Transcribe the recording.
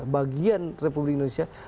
bagian republik indonesia